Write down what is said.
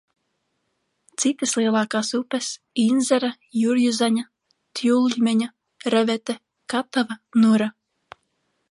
Citas lielākas upes – Inzera, Jurjuzaņa, Tjuļmeņa, Revete, Katava, Nura.